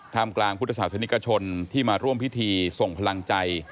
มกลางพุทธศาสนิกชนที่มาร่วมพิธีส่งพลังใจ